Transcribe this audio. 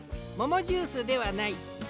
モモジュースではない。